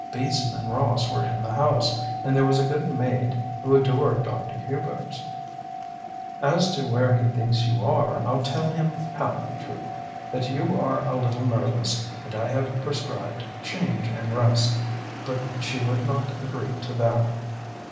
Beason and Ross were in the house, and there was a good maid, who adored Dr. Hubers. "As to where he thinks you are, I'll tell him half the truth. That you are a little nervous and I have prescribed change and rest." But she would not agree to that.